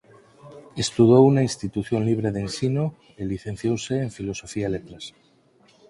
Estudou na Institución Libre de Ensino e licenciouse en Filosofía e Letras.